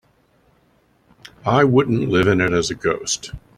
I wouldn't live in it as a ghost.